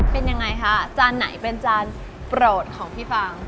เป็นยังไงคะจานไหนเป็นจานโปรดของพี่ฟาง